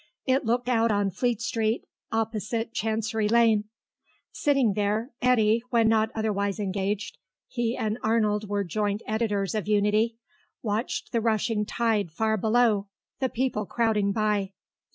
It looked out on Fleet Street, opposite Chancery Lane. Sitting there, Eddy, when not otherwise engaged (he and Arnold were joint editors of Unity) watched the rushing tide far below, the people crowding by.